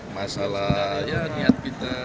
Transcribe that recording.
masalah ya niat kita